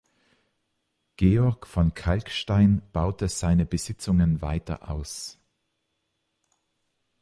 Georg von Kalckstein baute seine Besitzungen weiter aus.